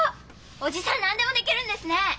おじさん何でもできるんですね！